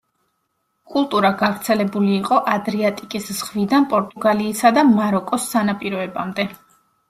კულტურა გავრცელებული იყო ადრიატიკის ზღვიდან პორტუგალიისა და მაროკოს სანაპიროებამდე.